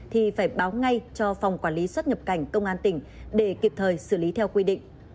thì phải báo ngay cho phòng quản lý xuất nhập cảnh công an tỉnh để kịp thời xử lý theo quy định